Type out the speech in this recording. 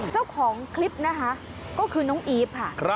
เจ้าของคลิปนะคะก็คือน้องอีฟค่ะ